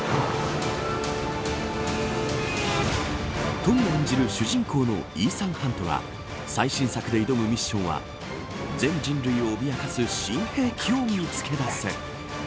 トム演じる主人公のイーサン・ハントが最新作で挑むミッションは全人類を脅かす新兵器を見つけ出せ。